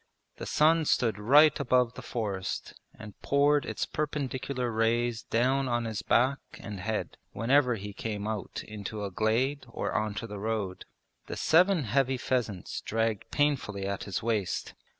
The sun stood right above the forest and poured its perpendicular rays down on his back and head whenever he came out into a glade or onto the road. The seven heavy pheasants dragged painfully at his waist.